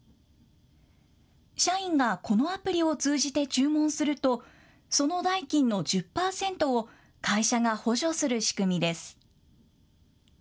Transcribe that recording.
社員がこのアプリを通じて注文すると、その代金の１０％を会社が補助する仕組みです。